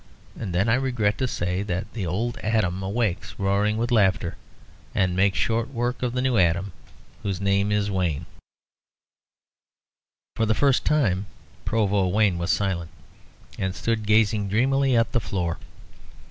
And then I regret to say that the old Adam awakes roaring with laughter and makes short work of the new Adam, whose name is Wayne." For the first time Provost Wayne was silent, and stood gazing dreamily at the floor.